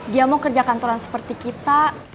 dia mau kerja kantoran seperti kita